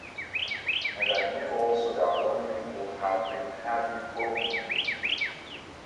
And I knew also that Ronnie would have been happy for me.